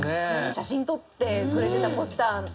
写真撮ってくれてたポスターのね